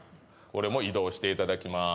これも移動していただきます